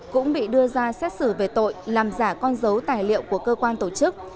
cũng bị đưa ra xét xử về tội làm giả con dấu tài liệu của cơ quan tổ chức